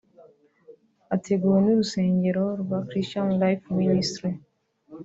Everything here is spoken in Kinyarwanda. ateguwe n’urusengero rwa Christian Life Ministry